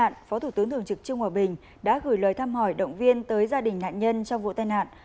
vụ tai nạn phó thủ tướng thường trực trương hòa bình đã gửi lời thăm hỏi động viên tới gia đình nạn nhân trong vụ tai nạn